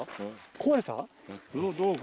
壊れた？